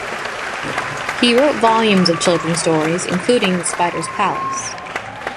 He wrote volumes of children's stories, including "The Spider's Palace".